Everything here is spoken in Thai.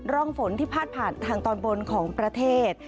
ร่องฝนที่พาดผ่านทางตอนบนของประเทศ